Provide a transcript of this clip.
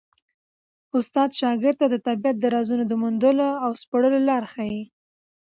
استاد شاګرد ته د طبیعت د رازونو د موندلو او سپړلو لاره ښيي.